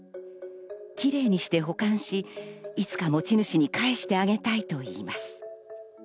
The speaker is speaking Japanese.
きれいにして保管し、いつか持ち主に返してあげたいと言います。